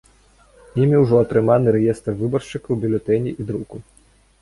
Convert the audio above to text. Імі ўжо атрыманы рэестр выбаршчыкаў, бюлетэні і друку.